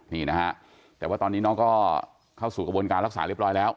นี่นะฮะแต่ว่าตอนนี้น้องก็เข้าสู่กระบวนการรักษาเรียบร้อยแล้ว